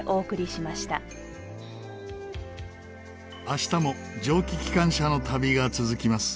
明日も蒸気機関車の旅が続きます。